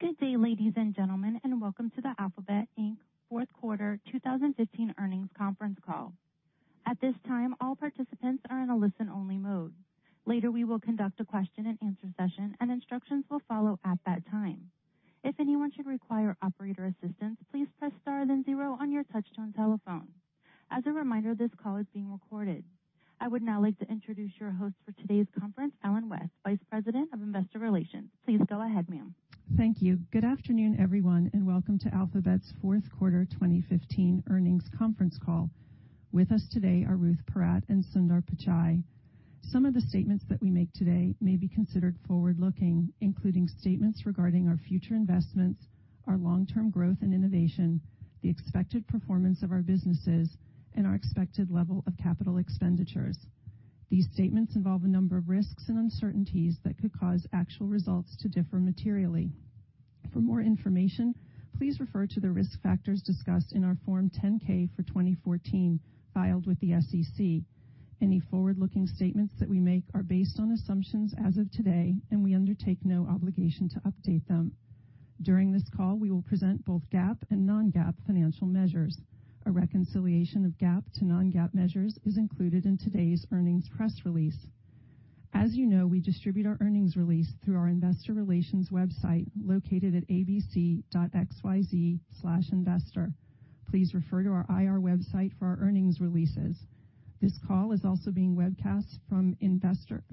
Good day, ladies and gentlemen, and welcome to the Alphabet Inc. Fourth Quarter 2015 Earnings Conference Call. At this time, all participants are in a listen-only mode. Later, we will conduct a question-and-answer session, and instructions will follow at that time. If anyone should require operator assistance, please press star then zero on your touchtone telephone. As a reminder, this call is being recorded. I would now like to introduce your host for today's conference, Ellen West, Vice President of Investor Relations. Please go ahead, ma'am. Thank you. Good afternoon, everyone, and welcome to Alphabet's Fourth Quarter 2015 Earnings Conference Call. With us today are Ruth Porat and Sundar Pichai. Some of the statements that we make today may be considered forward-looking, including statements regarding our future investments, our long-term growth and innovation, the expected performance of our businesses, and our expected level of capital expenditures. These statements involve a number of risks and uncertainties that could cause actual results to differ materially. For more information, please refer to the risk factors discussed in our Form 10-K for 2014 filed with the SEC. Any forward-looking statements that we make are based on assumptions as of today, and we undertake no obligation to update them. During this call, we will present both GAAP and non-GAAP financial measures. A reconciliation of GAAP to non-GAAP measures is included in today's earnings press release. As you know, we distribute our earnings release through our Investor Relations website located at abc.xyz/investor. Please refer to our IR website for our earnings releases. This call is also being webcast from, I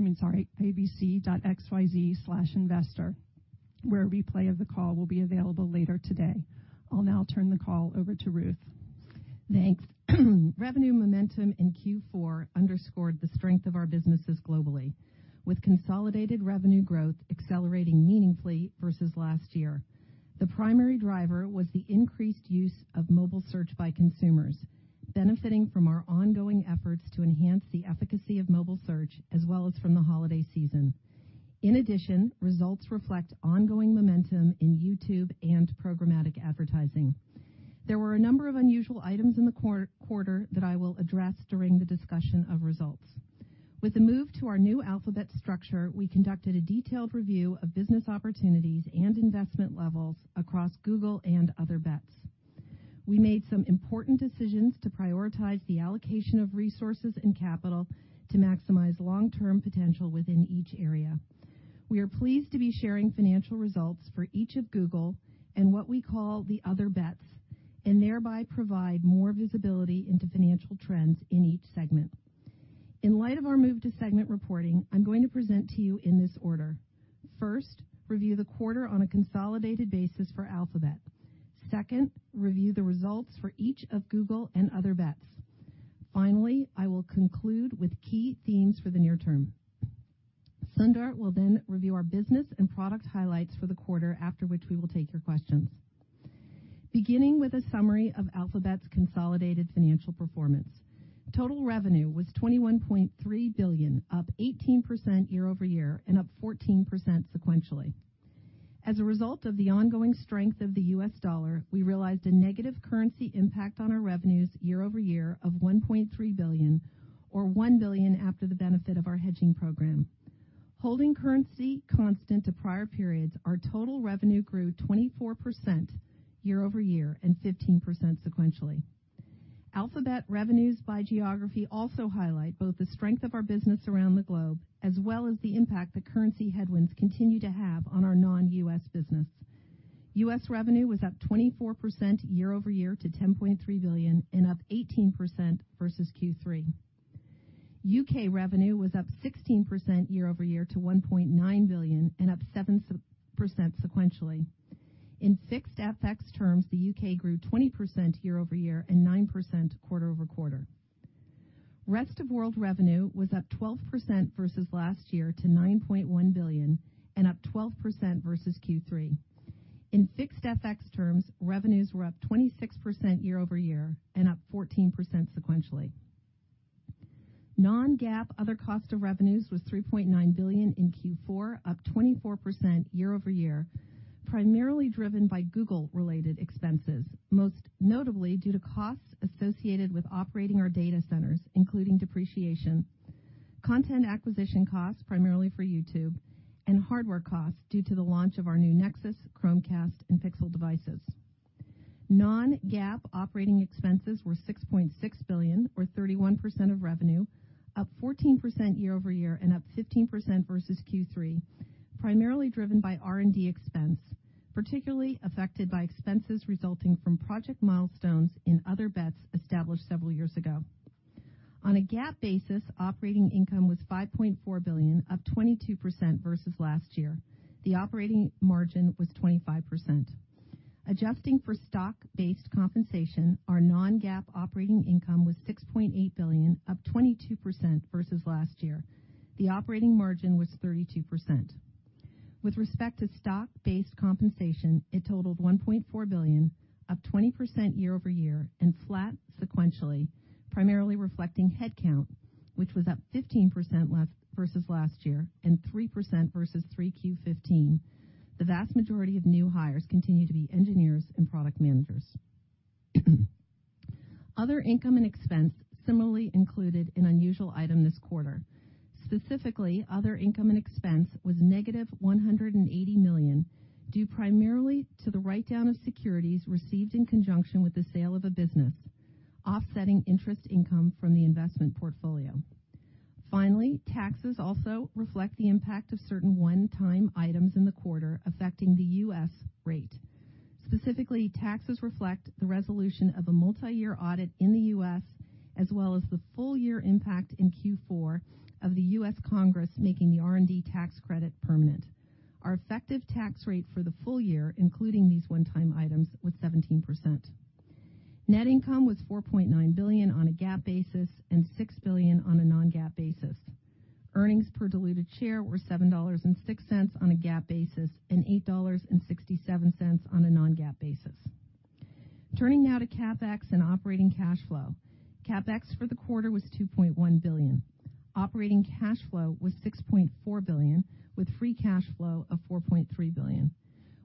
mean, sorry, abc.xyz/investor, where a replay of the call will be available later today. I'll now turn the call over to Ruth. Thanks. Revenue momentum in Q4 underscored the strength of our businesses globally, with consolidated revenue growth accelerating meaningfully versus last year. The primary driver was the increased use of mobile search by consumers, benefiting from our ongoing efforts to enhance the efficacy of mobile search, as well as from the holiday season. In addition, results reflect ongoing momentum in YouTube and programmatic advertising. There were a number of unusual items in the quarter that I will address during the discussion of results. With a move to our new Alphabet structure, we conducted a detailed review of business opportunities and investment levels across Google and Other Bets. We made some important decisions to prioritize the allocation of resources and capital to maximize long-term potential within each area. We are pleased to be sharing financial results for each of Google and what we call the Other Bets, and thereby provide more visibility into financial trends in each segment. In light of our move to segment reporting, I'm going to present to you in this order. First, review the quarter on a consolidated basis for Alphabet. Second, review the results for each of Google and Other Bets. Finally, I will conclude with key themes for the near term. Sundar will then review our business and product highlights for the quarter, after which we will take your questions. Beginning with a summary of Alphabet's consolidated financial performance, total revenue was $21.3 billion, up 18% year-over-year and up 14% sequentially. As a result of the ongoing strength of the U.S. dollar, we realized a negative currency impact on our revenues year-over-year of $1.3 billion, or $1 billion after the benefit of our hedging program. Holding currency constant to prior periods, our total revenue grew 24% year-over-year and 15% sequentially. Alphabet revenues by geography also highlight both the strength of our business around the globe as well as the impact that currency headwinds continue to have on our non-U.S. business. U.S. revenue was up 24% year-over-year to $10.3 billion and up 18% versus Q3. U.K. revenue was up 16% year-over-year to $1.9 billion and up 7% sequentially. In fixed FX terms, the U.K. grew 20% year over year and 9% quarter over quarter. Rest of World revenue was up 12% versus last year to $9.1 billion and up 12% versus Q3. In fixed FX terms, revenues were up 26% year-over-year and up 14% sequentially. non-GAAP other cost of revenues was $3.9 billion in Q4, up 24% year-over-year, primarily driven by Google-related expenses, most notably due to costs associated with operating our data centers, including depreciation, content acquisition costs primarily for YouTube, and hardware costs due to the launch of our new Nexus, Chromecast, and Pixel devices. non-GAAP operating expenses were $6.6 billion, or 31% of revenue, up 14% year-over-year and up 15% versus Q3, primarily driven by R&D expense, particularly affected by expenses resulting from project milestones in Other Bets established several years ago. On a GAAP basis, operating income was $5.4 billion, up 22% versus last year. The operating margin was 25%. Adjusting for stock-based compensation, our non-GAAP operating income was $6.8 billion, up 22% versus last year. The operating margin was 32%. With respect to stock-based compensation, it totaled $1.4 billion, up 20% year-over-year and flat sequentially, primarily reflecting headcount, which was up 15% versus last year and 3% versus 3Q15. The vast majority of new hires continue to be engineers and product managers. Other income and expense similarly included an unusual item this quarter. Specifically, other income and expense was negative $180 million due primarily to the write-down of securities received in conjunction with the sale of a business, offsetting interest income from the investment portfolio. Finally, taxes also reflect the impact of certain one-time items in the quarter affecting the U.S. rate. Specifically, taxes reflect the resolution of a multi-year audit in the U.S., as well as the full-year impact in Q4 of the U.S. Congress making the R&D tax credit permanent. Our effective tax rate for the full year, including these one-time items, was 17%. Net income was $4.9 billion on a GAAP basis and $6 billion on a non-GAAP basis. Earnings per diluted share were $7.06 on a GAAP basis and $8.67 on a non-GAAP basis. Turning now to CapEx and operating cash flow. CapEx for the quarter was $2.1 billion. Operating cash flow was $6.4 billion, with free cash flow of $4.3 billion.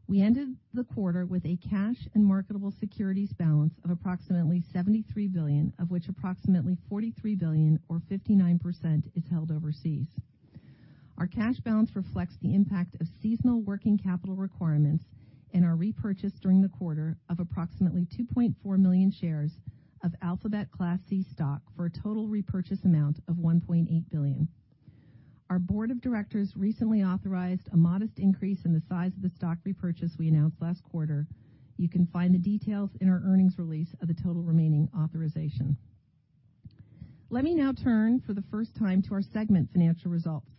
We ended the quarter with a cash and marketable securities balance of approximately $73 billion, of which approximately $43 billion, or 59%, is held overseas. Our cash balance reflects the impact of seasonal working capital requirements and our repurchase during the quarter of approximately 2.4 million shares of Alphabet Class C stock for a total repurchase amount of $1.8 billion. Our board of directors recently authorized a modest increase in the size of the stock repurchase we announced last quarter. You can find the details in our earnings release of the total remaining authorization. Let me now turn, for the first time, to our segment financial results.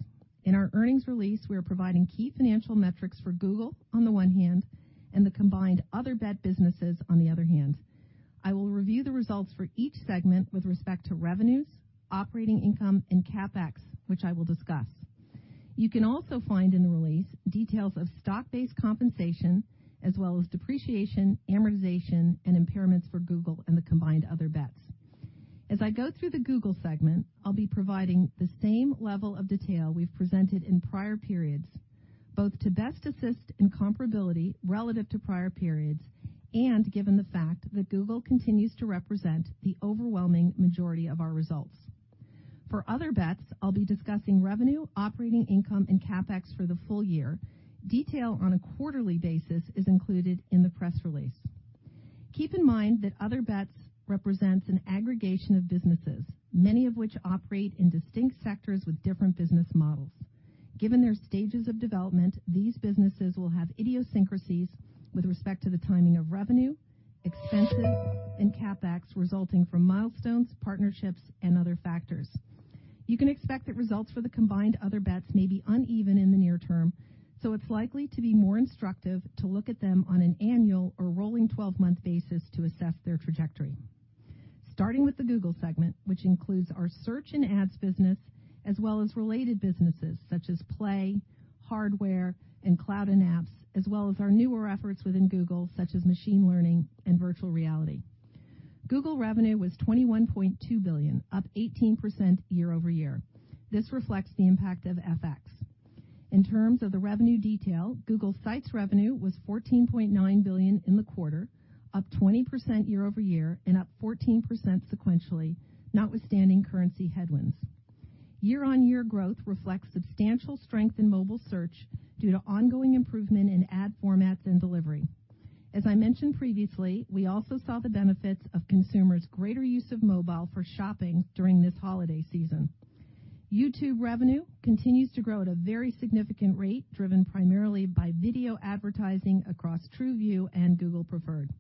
In our earnings release, we are providing key financial metrics for Google, on the one hand, and the combined Other Bets businesses, on the other hand. I will review the results for each segment with respect to revenues, operating income, and CapEx, which I will discuss. You can also find in the release details of stock-based compensation, as well as depreciation, amortization, and impairments for Google and the combined Other Bets. As I go through the Google segment, I'll be providing the same level of detail we've presented in prior periods, both to best assist in comparability relative to prior periods and given the fact that Google continues to represent the overwhelming majority of our results. For Other Bets, I'll be discussing revenue, operating income, and CapEx for the full year. Detail on a quarterly basis is included in the press release. Keep in mind that Other Bets represents an aggregation of businesses, many of which operate in distinct sectors with different business models. Given their stages of development, these businesses will have idiosyncrasies with respect to the timing of revenue, expenses, and CapEx resulting from milestones, partnerships, and other factors. You can expect that results for the combined Other Bets may be uneven in the near term, so it's likely to be more instructive to look at them on an annual or rolling 12-month basis to assess their trajectory. Starting with the Google segment, which includes our search and ads business, as well as related businesses such as Play, hardware, and cloud and apps, as well as our newer efforts within Google, such as machine learning and virtual reality. Google revenue was $21.2 billion, up 18% year-over-year. This reflects the impact of FX. In terms of the revenue detail, Google Sites revenue was $14.9 billion in the quarter, up 20% year-over-year and up 14% sequentially, notwithstanding currency headwinds. Year-on-year growth reflects substantial strength in mobile search due to ongoing improvement in ad formats and delivery. As I mentioned previously, we also saw the benefits of consumers' greater use of mobile for shopping during this holiday season. YouTube revenue continues to grow at a very significant rate, driven primarily by video advertising across TrueView and Google Preferred.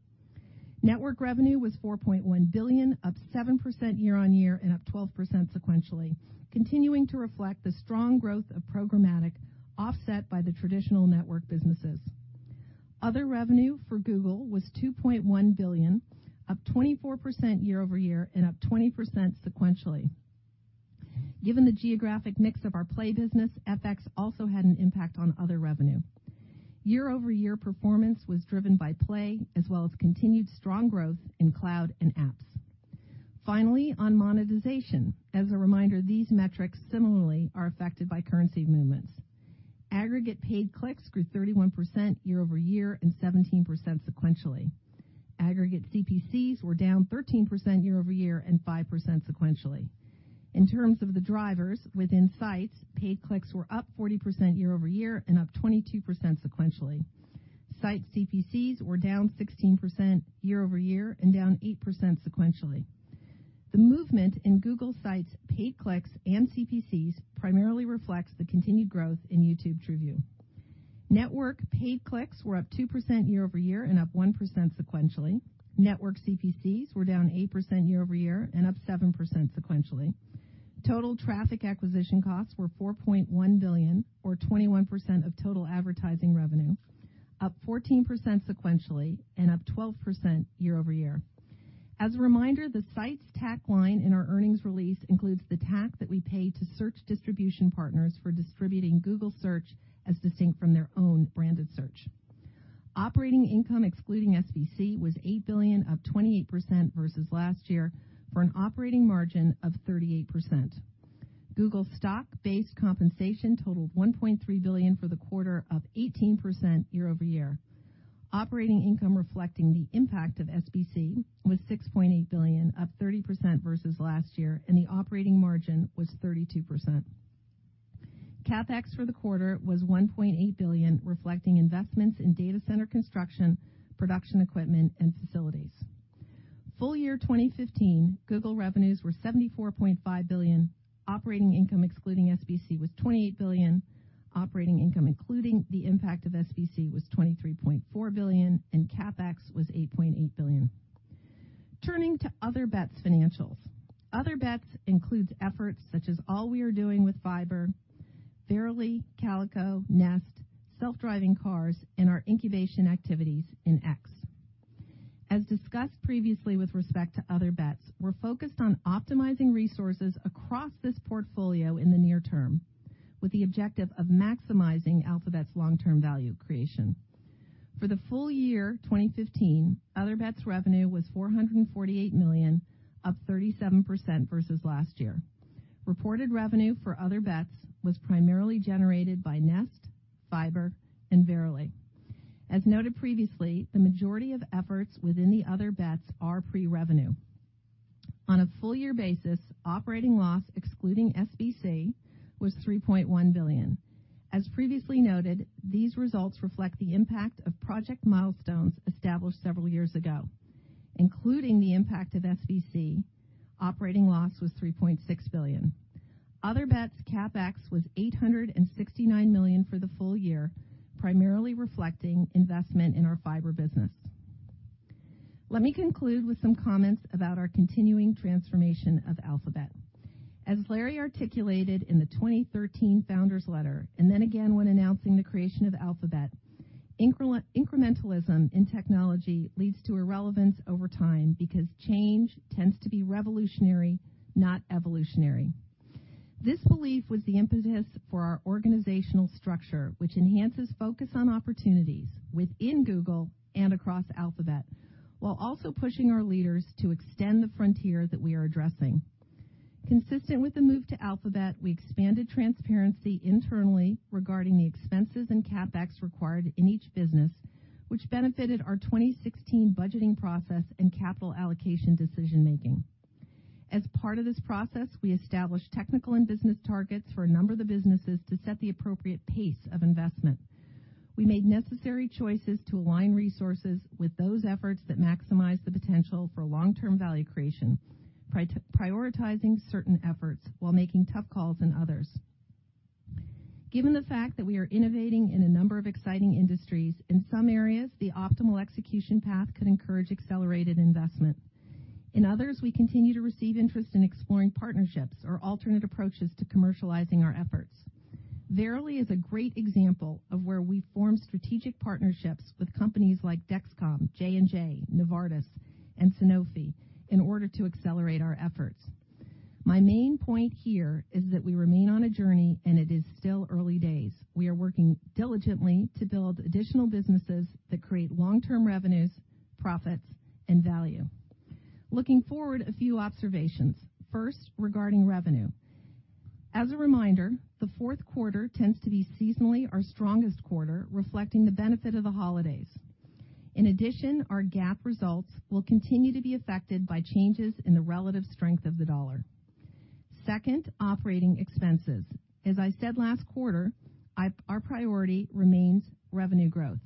Network revenue was $4.1 billion, up 7% year-on-year and up 12% sequentially, continuing to reflect the strong growth of programmatic, offset by the traditional network businesses. Other revenue for Google was $2.1 billion, up 24% year-over-year and up 20% sequentially. Given the geographic mix of our Play business, FX also had an impact on Other revenue. Year-over-year performance was driven by Play, as well as continued strong growth in cloud and apps. Finally, on monetization, as a reminder, these metrics similarly are affected by currency movements. Aggregate paid clicks grew 31% year-over-year and 17% sequentially. Aggregate CPCs were down 13% year-over-year and 5% sequentially. In terms of the drivers, within Sites, paid clicks were up 40% year-over-year and up 22% sequentially. Site CPCs were down 16% year-over-year and down 8% sequentially. The movement in Google Sites paid clicks and CPCs primarily reflects the continued growth in YouTube TrueView. Network paid clicks were up 2% year-over-year and up 1% sequentially. Network CPCs were down 8% year-over-year and up 7% sequentially. Total traffic acquisition costs were $4.1 billion, or 21% of total advertising revenue, up 14% sequentially and up 12% year-over-year. As a reminder, the Sites TAC line in our earnings release includes the TAC that we pay to search distribution partners for distributing Google Search as distinct from their own branded search. Operating income excluding SBC was $8 billion, up 28% versus last year, for an operating margin of 38%. Google stock-based compensation totaled $1.3 billion for the quarter, up 18% year-over-year. Operating income reflecting the impact of SBC was $6.8 billion, up 30% versus last year, and the operating margin was 32%. CapEx for the quarter was $1.8 billion, reflecting investments in data center construction, production equipment, and facilities. Full year 2015, Google revenues were $74.5 billion. Operating income excluding SBC was $28 billion. Operating income including the impact of SBC was $23.4 billion, and CapEx was $8.8 billion. Turning to Other Bets financials, Other Bets includes efforts such as all we are doing with Fiber, Verily, Calico, Nest, self-driving cars, and our incubation activities in X. As discussed previously with respect to Other Bets, we're focused on optimizing resources across this portfolio in the near term, with the objective of maximizing Alphabet's long-term value creation. For the full year 2015, Other Bets revenue was $448 million, up 37% versus last year. Reported revenue for Other Bets was primarily generated by Nest, Fiber, and Verily. As noted previously, the majority of efforts within the Other Bets are pre-revenue. On a full-year basis, operating loss excluding SBC was $3.1 billion. As previously noted, these results reflect the impact of project milestones established several years ago, including the impact of SBC. Operating loss was $3.6 billion. Other Bets CapEx was $869 million for the full year, primarily reflecting investment in our Fiber business. Let me conclude with some comments about our continuing transformation of Alphabet. As Larry articulated in the 2013 founders' letter, and then again when announcing the creation of Alphabet, incrementalism in technology leads to irrelevance over time because change tends to be revolutionary, not evolutionary. This belief was the impetus for our organizational structure, which enhances focus on opportunities within Google and across Alphabet, while also pushing our leaders to extend the frontier that we are addressing. Consistent with the move to Alphabet, we expanded transparency internally regarding the expenses and CapEx required in each business, which benefited our 2016 budgeting process and capital allocation decision-making. As part of this process, we established technical and business targets for a number of the businesses to set the appropriate pace of investment. We made necessary choices to align resources with those efforts that maximize the potential for long-term value creation, prioritizing certain efforts while making tough calls in others. Given the fact that we are innovating in a number of exciting industries, in some areas, the optimal execution path could encourage accelerated investment. In others, we continue to receive interest in exploring partnerships or alternate approaches to commercializing our efforts. Verily is a great example of where we form strategic partnerships with companies like Dexcom, J&J, Novartis, and Sanofi in order to accelerate our efforts. My main point here is that we remain on a journey, and it is still early days. We are working diligently to build additional businesses that create long-term revenues, profits, and value. Looking forward, a few observations. First, regarding revenue. As a reminder, the fourth quarter tends to be seasonally our strongest quarter, reflecting the benefit of the holidays. In addition, our GAAP results will continue to be affected by changes in the relative strength of the dollar. Second, operating expenses. As I said last quarter, our priority remains revenue growth,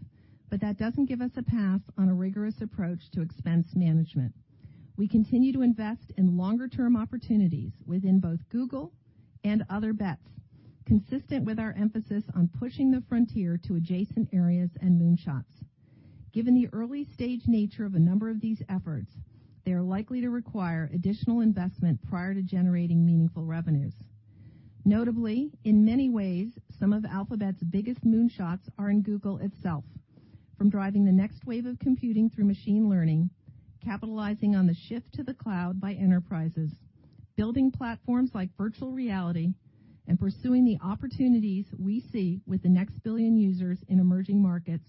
but that doesn't give us a pass on a rigorous approach to expense management. We continue to invest in longer-term opportunities within both Google and Other Bets, consistent with our emphasis on pushing the frontier to adjacent areas and moonshots. Given the early-stage nature of a number of these efforts, they are likely to require additional investment prior to generating meaningful revenues. Notably, in many ways, some of Alphabet's biggest moonshots are in Google itself, from driving the next wave of computing through machine learning, capitalizing on the shift to the cloud by enterprises, building platforms like virtual reality, and pursuing the opportunities we see with the next billion users in emerging markets.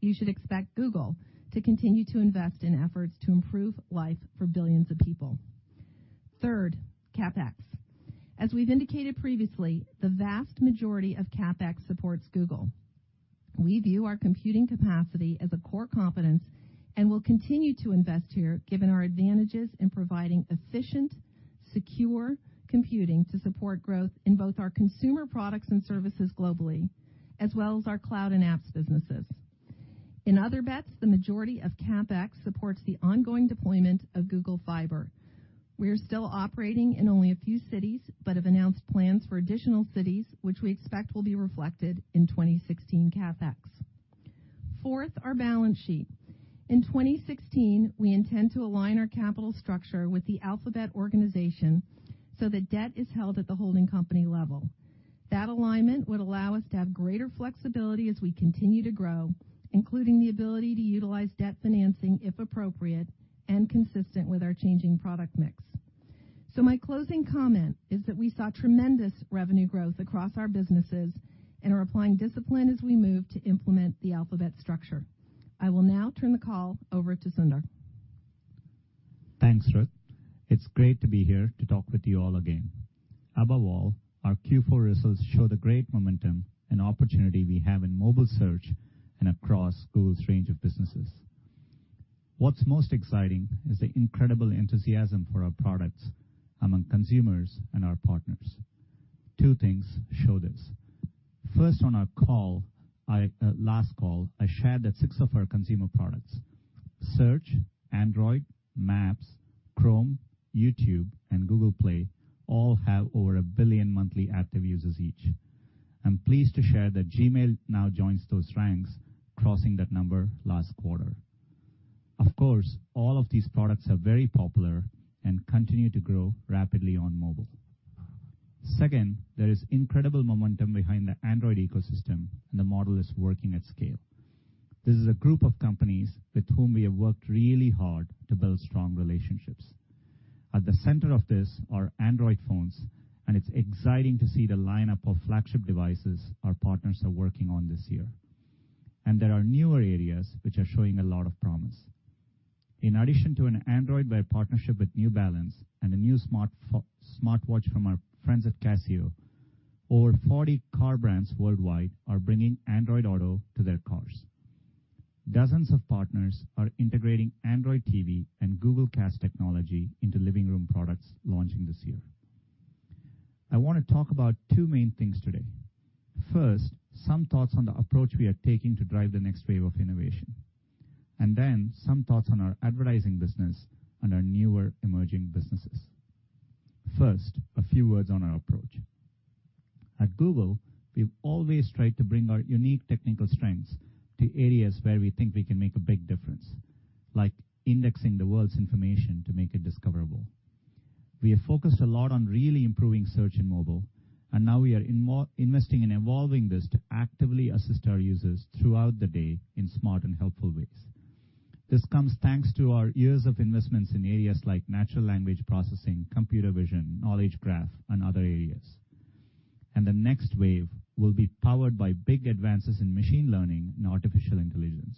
You should expect Google to continue to invest in efforts to improve life for billions of people. Third, CapEx. As we've indicated previously, the vast majority of CapEx supports Google. We view our computing capacity as a core competence and will continue to invest here, given our advantages in providing efficient, secure computing to support growth in both our consumer products and services globally, as well as our cloud and apps businesses. In Other Bets, the majority of CapEx supports the ongoing deployment of Google Fiber. We are still operating in only a few cities but have announced plans for additional cities, which we expect will be reflected in 2016 CapEx. Fourth, our balance sheet. In 2016, we intend to align our capital structure with the Alphabet organization so that debt is held at the holding company level. That alignment would allow us to have greater flexibility as we continue to grow, including the ability to utilize debt financing if appropriate and consistent with our changing product mix. So my closing comment is that we saw tremendous revenue growth across our businesses and are applying discipline as we move to implement the Alphabet structure. I will now turn the call over to Sundar. Thanks, Ruth. It's great to be here to talk with you all again. Above all, our Q4 results show the great momentum and opportunity we have in mobile search and across Google's range of businesses. What's most exciting is the incredible enthusiasm for our products among consumers and our partners. Two things show this. First, on our last call, I shared that six of our consumer products, search, Android, Maps, Chrome, YouTube, and Google Play, all have over a billion monthly active users each. I'm pleased to share that Gmail now joins those ranks, crossing that number last quarter. Of course, all of these products are very popular and continue to grow rapidly on mobile. Second, there is incredible momentum behind the Android ecosystem, and the model is working at scale. This is a group of companies with whom we have worked really hard to build strong relationships. At the center of this are Android phones, and it's exciting to see the lineup of flagship devices our partners are working on this year, and there are newer areas which are showing a lot of promise. In addition to an Android-led partnership with New Balance and a new smartwatch from our friends at Casio, over 40 car brands worldwide are bringing Android Auto to their cars. Dozens of partners are integrating Android TV and Google Cast technology into living room products launching this year. I want to talk about two main things today. First, some thoughts on the approach we are taking to drive the next wave of innovation, and then, some thoughts on our advertising business and our newer emerging businesses. First, a few words on our approach. At Google, we've always tried to bring our unique technical strengths to areas where we think we can make a big difference, like indexing the world's information to make it discoverable. We have focused a lot on really improving search in mobile, and now we are investing in evolving this to actively assist our users throughout the day in smart and helpful ways. This comes thanks to our years of investments in areas like natural language processing, computer vision, Knowledge Graph, and other areas. And the next wave will be powered by big advances in machine learning and artificial intelligence,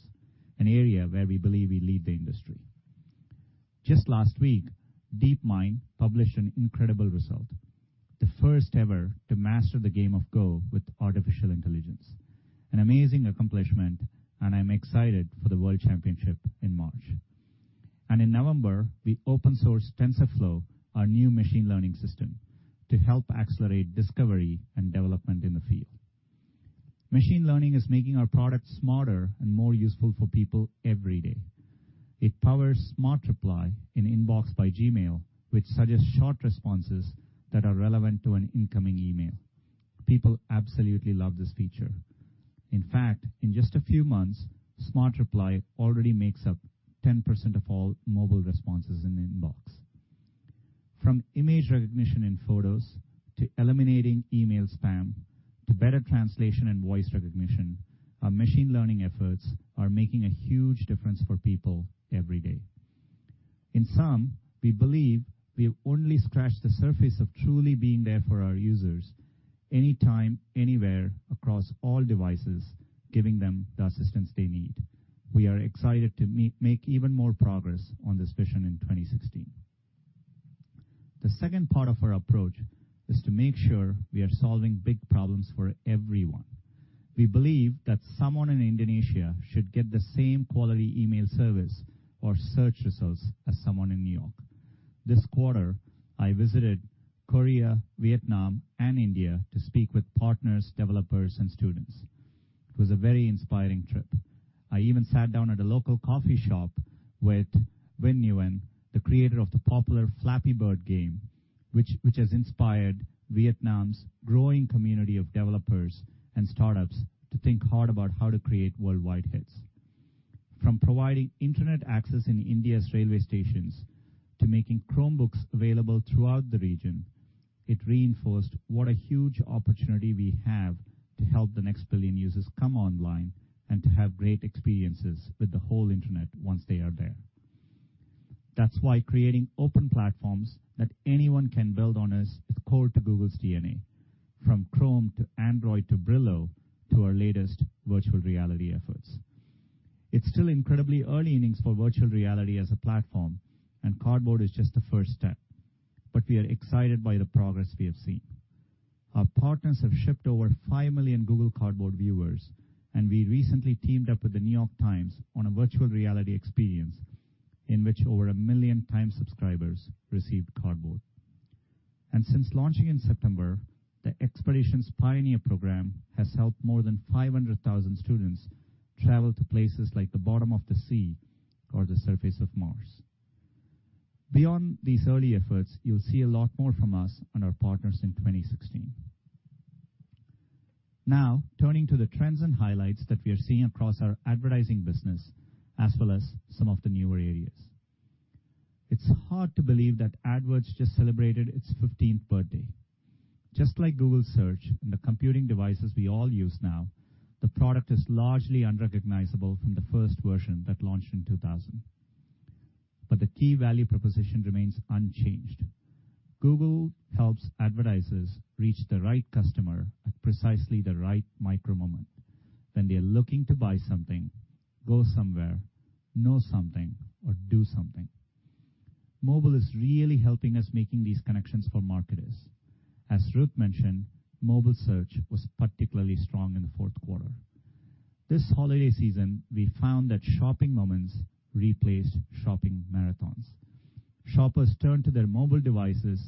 an area where we believe we lead the industry. Just last week, DeepMind published an incredible result, the first ever to master the game of Go with artificial intelligence. An amazing accomplishment, and I'm excited for the world championship in March. In November, we open-sourced TensorFlow, our new machine learning system, to help accelerate discovery and development in the field. Machine learning is making our products smarter and more useful for people every day. It powers Smart Reply in Inbox by Gmail, which suggests short responses that are relevant to an incoming email. People absolutely love this feature. In fact, in just a few months, Smart Reply already makes up 10% of all mobile responses in Inbox. From image recognition in photos to eliminating email spam to better translation and voice recognition, our machine learning efforts are making a huge difference for people every day. In sum, we believe we have only scratched the surface of truly being there for our users anytime, anywhere, across all devices, giving them the assistance they need. We are excited to make even more progress on this vision in 2016. The second part of our approach is to make sure we are solving big problems for everyone. We believe that someone in Indonesia should get the same quality email service or search results as someone in New York. This quarter, I visited Korea, Vietnam, and India to speak with partners, developers, and students. It was a very inspiring trip. I even sat down at a local coffee shop with Dong Nguyen, the creator of the popular Flappy Bird game, which has inspired Vietnam's growing community of developers and startups to think hard about how to create worldwide hits. From providing internet access in India's railway stations to making Chromebooks available throughout the region, it reinforced what a huge opportunity we have to help the next billion users come online and to have great experiences with the whole internet once they are there. That's why creating open platforms that anyone can build on is core to Google's DNA, from Chrome to Android to Brillo to our latest virtual reality efforts. It's still incredibly early innings for virtual reality as a platform, and Cardboard is just the first step. But we are excited by the progress we have seen. Our partners have shipped over five million Google Cardboard viewers, and we recently teamed up with The New York Times on a virtual reality experience in which over a million Times subscribers received Cardboard. And since launching in September, the Expeditions Pioneer Program has helped more than 500,000 students travel to places like the bottom of the sea or the surface of Mars. Beyond these early efforts, you'll see a lot more from us and our partners in 2016. Now, turning to the trends and highlights that we are seeing across our advertising business, as well as some of the newer areas. It's hard to believe that AdWords just celebrated its 15th birthday. Just like Google Search and the computing devices we all use now, the product is largely unrecognizable from the first version that launched in 2000. But the key value proposition remains unchanged. Google helps advertisers reach the right customer at precisely the right micro-moment, when they are looking to buy something, go somewhere, know something, or do something. Mobile is really helping us make these connections for marketers. As Ruth mentioned, mobile search was particularly strong in the fourth quarter. This holiday season, we found that shopping moments replaced shopping marathons. Shoppers turned to their mobile devices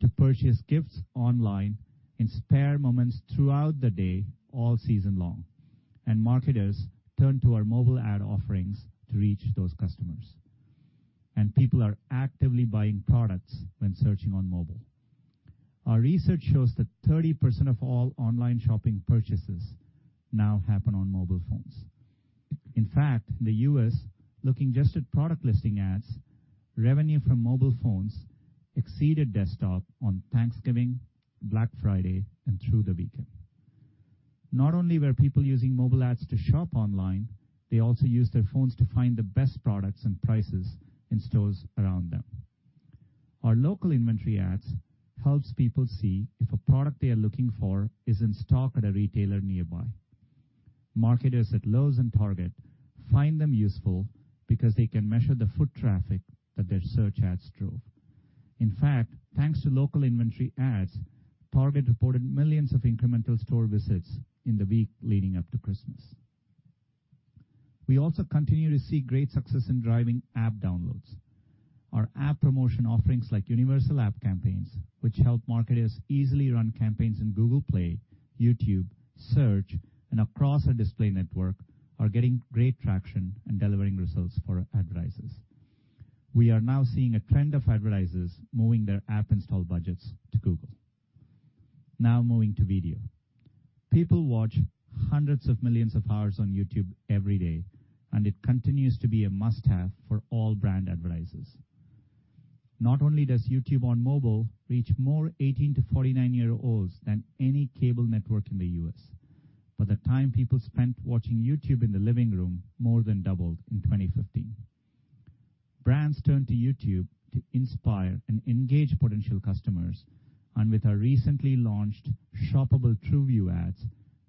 to purchase gifts online in spare moments throughout the day, all season long. Marketers turned to our mobile ad offerings to reach those customers. People are actively buying products when searching on mobile. Our research shows that 30% of all online shopping purchases now happen on mobile phones. In fact, in the U.S., looking just at Product Listing Ads, revenue from mobile phones exceeded desktop on Thanksgiving, Black Friday, and through the weekend. Not only were people using mobile ads to shop online, they also used their phones to find the best products and prices in stores around them. Our Local Inventory Ads help people see if a product they are looking for is in stock at a retailer nearby. Marketers at Lowe's and Target find them useful because they can measure the foot traffic that their search ads drove. In fact, thanks to Local Inventory Ads, Target reported millions of incremental store visits in the week leading up to Christmas. We also continue to see great success in driving app downloads. Our app promotion offerings like Universal App Campaigns, which help marketers easily run campaigns in Google Play, YouTube, Search, and across our display network, are getting great traction and delivering results for advertisers. We are now seeing a trend of advertisers moving their app install budgets to Google. Now, moving to video. People watch hundreds of millions of hours on YouTube every day, and it continues to be a must-have for all brand advertisers. Not only does YouTube on mobile reach more 18 to 49-year-olds than any cable network in the U.S., but the time people spent watching YouTube in the living room more than doubled in 2015. Brands turn to YouTube to inspire and engage potential customers, and with our recently launched shoppable TrueView ads,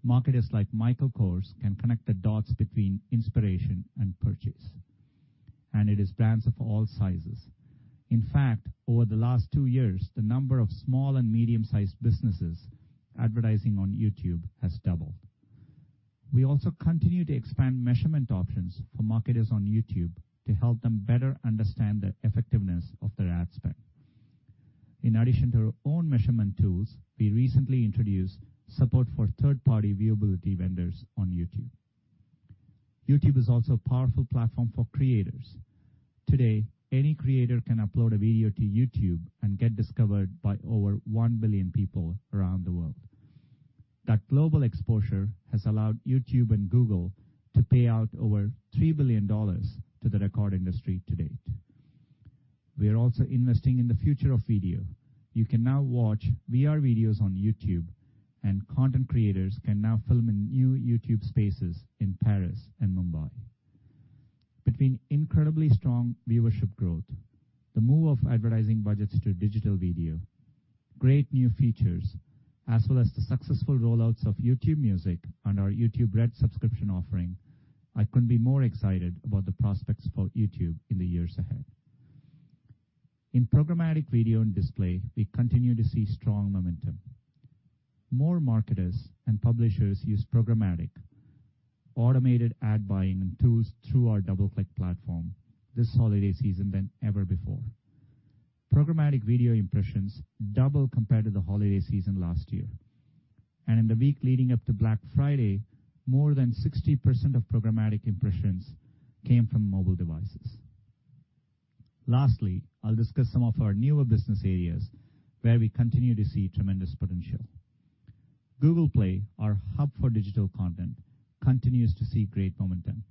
marketers like Michael Kors can connect the dots between inspiration and purchase. And it is brands of all sizes. In fact, over the last two years, the number of small and medium-sized businesses advertising on YouTube has doubled. We also continue to expand measurement options for marketers on YouTube to help them better understand the effectiveness of their ad spend. In addition to our own measurement tools, we recently introduced support for third-party viewability vendors on YouTube. YouTube is also a powerful platform for creators. Today, any creator can upload a video to YouTube and get discovered by over 1 billion people around the world. That global exposure has allowed YouTube and Google to pay out over $3 billion to the record industry to date. We are also investing in the future of video. You can now watch VR videos on YouTube, and content creators can now film in new YouTube Spaces in Paris and Mumbai. Between incredibly strong viewership growth, the move of advertising budgets to digital video, great new features, as well as the successful rollouts of YouTube Music and our YouTube Red subscription offering, I couldn't be more excited about the prospects for YouTube in the years ahead. In programmatic video and display, we continue to see strong momentum. More marketers and publishers use programmatic, automated ad buying and tools through our DoubleClick platform this holiday season than ever before. Programmatic video impressions doubled compared to the holiday season last year, and in the week leading up to Black Friday, more than 60% of programmatic impressions came from mobile devices. Lastly, I'll discuss some of our newer business areas where we continue to see tremendous potential. Google Play, our hub for digital content, continues to see great momentum.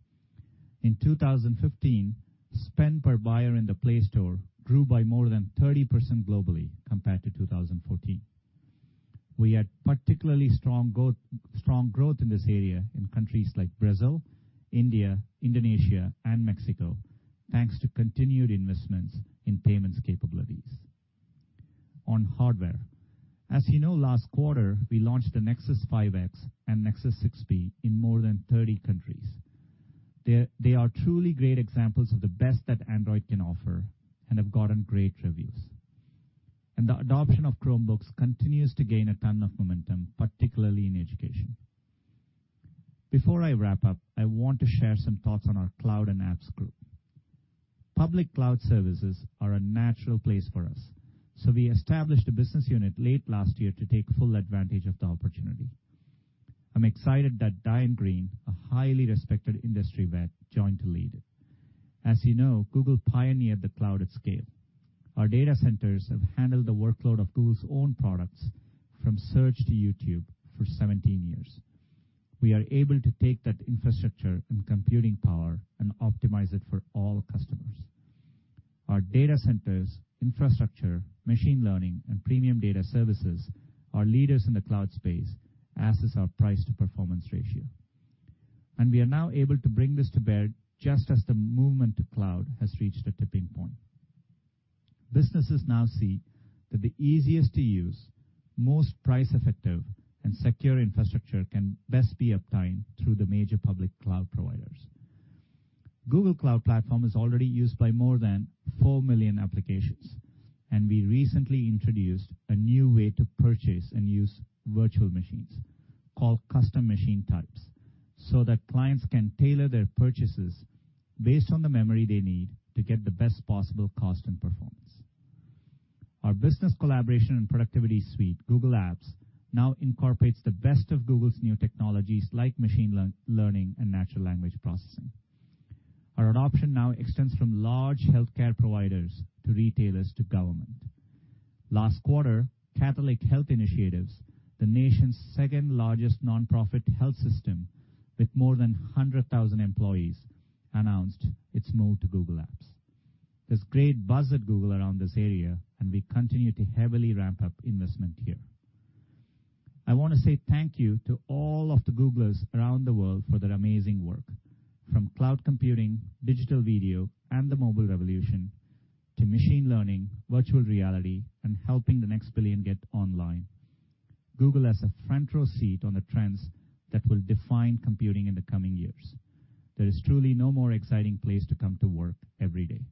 In 2015, spend per buyer in the Play Store grew by more than 30% globally compared to 2014. We had particularly strong growth in this area in countries like Brazil, India, Indonesia, and Mexico, thanks to continued investments in payments capabilities. On hardware, as you know, last quarter, we launched the Nexus 5X and Nexus 6P in more than 30 countries. They are truly great examples of the best that Android can offer and have gotten great reviews, and the adoption of Chromebooks continues to gain a ton of momentum, particularly in education. Before I wrap up, I want to share some thoughts on our Cloud and Apps group. Public cloud services are a natural place for us, so we established a business unit late last year to take full advantage of the opportunity. I'm excited that Diane Greene, a highly respected industry vet, joined to lead it. As you know, Google pioneered the cloud at scale. Our data centers have handled the workload of Google's own products from Search to YouTube for 17 years. We are able to take that infrastructure and computing power and optimize it for all customers. Our data centers, infrastructure, machine learning, and premium data services are leaders in the cloud space as is our price-to-performance ratio. And we are now able to bring this to bear just as the movement to cloud has reached a tipping point. Businesses now see that the easiest-to-use, most price-effective, and secure infrastructure can best be obtained through the major public cloud providers. Google Cloud Platform is already used by more than 4 million applications, and we recently introduced a new way to purchase and use virtual machines called Custom Machine Types so that clients can tailor their purchases based on the memory they need to get the best possible cost and performance. Our business collaboration and productivity suite, Google Apps, now incorporates the best of Google's new technologies like machine learning and natural language processing. Our adoption now extends from large healthcare providers to retailers to government. Last quarter, Catholic Health Initiatives, the nation's second-largest nonprofit health system with more than 100,000 employees, announced its move to Google Apps. There's great buzz at Google around this area, and we continue to heavily ramp up investment here. I want to say thank you to all of the Googlers around the world for their amazing work, from cloud computing, digital video, and the mobile revolution to machine learning, virtual reality, and helping the next billion get online. Google has a front-row seat on the trends that will define computing in the coming years. There is truly no more exciting place to come to work every day.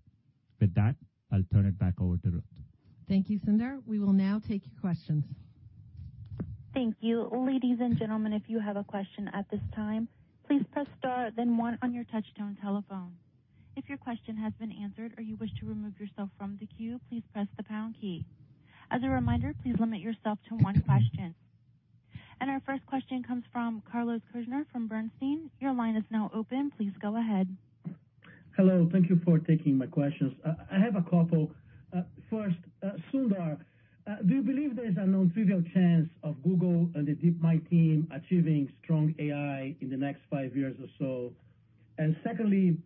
With that, I'll turn it back over to Ruth. Thank you, Sundar. We will now take your questions. Thank you. Ladies and gentlemen, if you have a question at this time, please press star, then one on your touch-tone telephone. If your question has been answered or you wish to remove yourself from the queue, please press the pound key. As a reminder, please limit yourself to one question. Our first question comes from Carlos Kirjner from Bernstein. Your line is now open. Please go ahead. Hello. Thank you for taking my questions. I have a couple. First, Sundar, do you believe there's an attainable chance of Google and the DeepMind team achieving strong AI in the next five years or so? And secondly,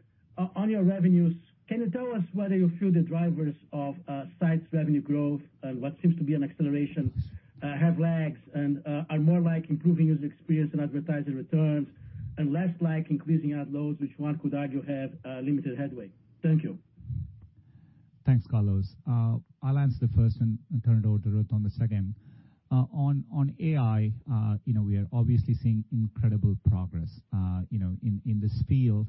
on your revenues, can you tell us whether you feel the drivers of Search revenue growth and what seems to be an acceleration have lagged and are more like improving user experience and advertising returns and less like increasing ad loads, which one could argue have limited headway? Thank you. Thanks, Carlos. I'll answer the first one and turn it over to Ruth on the second. On AI, we are obviously seeing incredible progress in this field.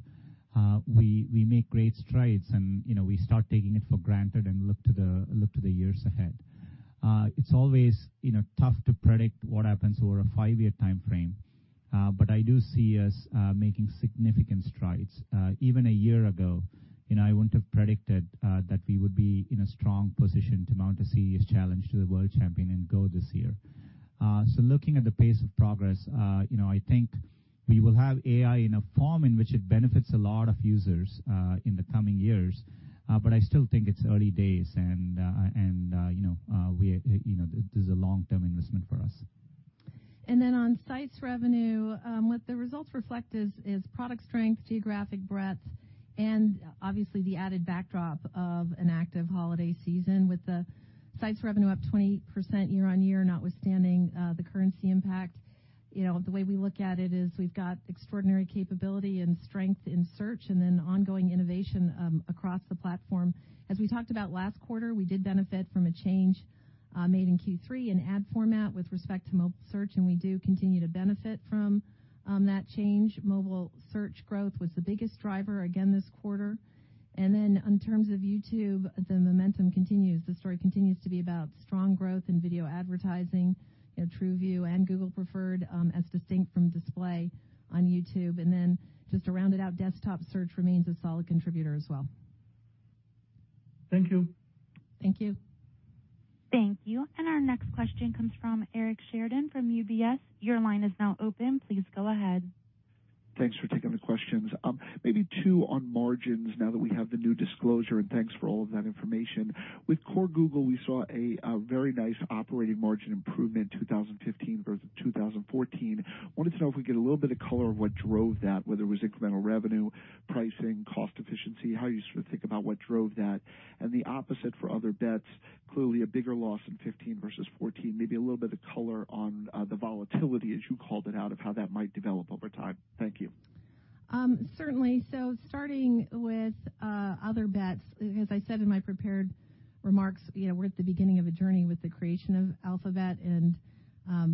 We make great strides, and we start taking it for granted and look to the years ahead. It's always tough to predict what happens over a five-year time frame, but I do see us making significant strides. Even a year ago, I wouldn't have predicted that we would be in a strong position to mount a serious challenge to the world champion and go this year. So looking at the pace of progress, I think we will have AI in a form in which it benefits a lot of users in the coming years, but I still think it's early days, and this is a long-term investment for us. And then on Sites revenue, what the results reflect is product strength, geographic breadth, and obviously the added backdrop of an active holiday season with Sites revenue up 20% year-on-year, notwithstanding the currency impact. The way we look at it is we've got extraordinary capability and strength in search and then ongoing innovation across the platform. As we talked about last quarter, we did benefit from a change made in Q3 in ad format with respect to mobile search, and we do continue to benefit from that change. Mobile search growth was the biggest driver again this quarter. And then in terms of YouTube, the momentum continues. The story continues to be about strong growth in video advertising, TrueView and Google Preferred as distinct from Display on YouTube. And then just to round it out, desktop search remains a solid contributor as well. Thank you. Thank you. Thank you. And our next question comes from Eric Sheridan from UBS. Your line is now open. Please go ahead. Thanks for taking the questions. Maybe two on margins now that we have the new disclosure, and thanks for all of that information. With core Google, we saw a very nice operating margin improvement in 2015 versus 2014. I wanted to know if we could get a little bit of color of what drove that, whether it was incremental revenue, pricing, cost efficiency, how you sort of think about what drove that, and the opposite for Other Bets, clearly a bigger loss in 2015 versus 2014, maybe a little bit of color on the volatility, as you called it out, of how that might develop over time? Thank you. Certainly. So starting with Other Bets, as I said in my prepared remarks, we're at the beginning of a journey with the creation of Alphabet, and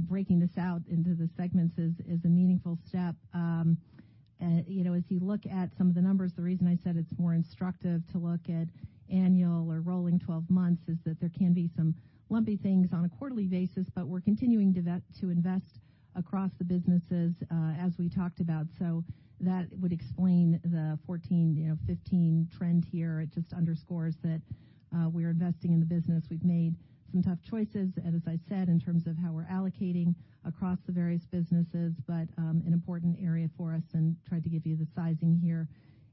breaking this out into the segments is a meaningful step. As you look at some of the numbers, the reason I said it's more instructive to look at annual or rolling 12 months is that there can be some lumpy things on a quarterly basis, but we're continuing to invest across the businesses as we talked about. So that would explain the 2014, 2015 trend here. It just underscores that we're investing in the business. We've made some tough choices, as I said, in terms of how we're allocating across the various businesses, but an important area for us, and tried to give you the sizing here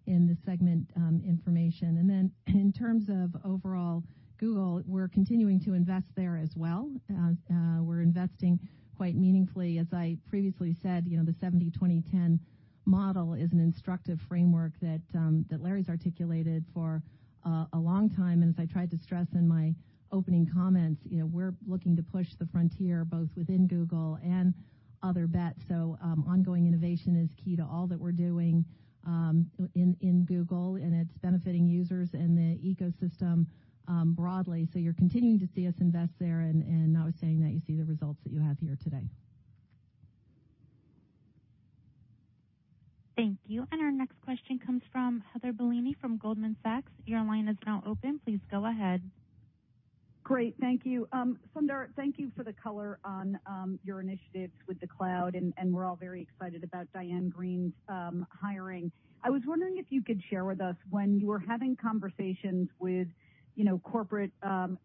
in the segment information. And then in terms of overall Google, we're continuing to invest there as well. We're investing quite meaningfully. As I previously said, the 70/20/10 model is an instructive framework that Larry's articulated for a long time. And as I tried to stress in my opening comments, we're looking to push the frontier both within Google and Other Bets. So ongoing innovation is key to all that we're doing in Google, and it's benefiting users and the ecosystem broadly. So you're continuing to see us invest there, and I was saying that you see the results that you have here today. Thank you. And our next question comes from Heather Bellini from Goldman Sachs. Your line is now open. Please go ahead. Great. Thank you. Sundar, thank you for the color on your initiatives with the cloud, and we're all very excited about Diane Greene's hiring. I was wondering if you could share with us when you were having conversations with corporate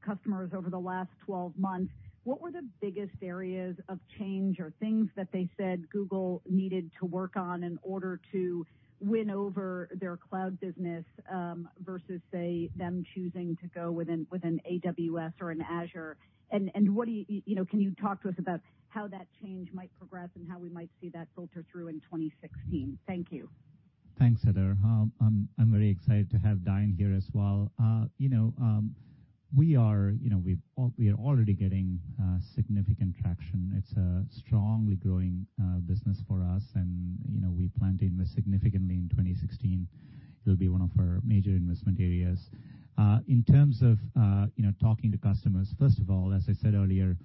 customers over the last 12 months, what were the biggest areas of change or things that they said Google needed to work on in order to win over their cloud business versus, say, them choosing to go with an AWS or an Azure? And can you talk to us about how that change might progress and how we might see that filter through in 2016? Thank you. Thanks, Heather. I'm very excited to have Diane here as well. We are already getting significant traction. It's a strongly growing business for us, and we plan to invest significantly in 2016. It'll be one of our major investment areas. In terms of talking to customers, first of all, as I said earlier,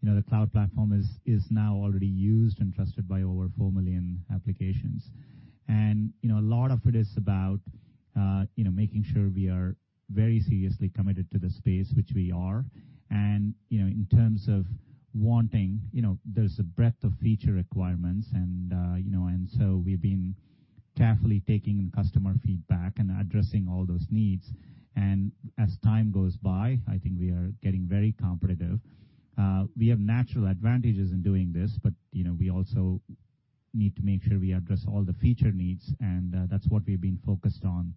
the cloud platform is now already used and trusted by over 4 million applications. And a lot of it is about making sure we are very seriously committed to the space, which we are. And in terms of wanting, there's a breadth of feature requirements, and so we've been carefully taking customer feedback and addressing all those needs. And as time goes by, I think we are getting very competitive. We have natural advantages in doing this, but we also need to make sure we address all the feature needs, and that's what we've been focused on.